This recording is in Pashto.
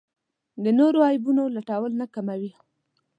د نورو عیبونو لټول نه کموي.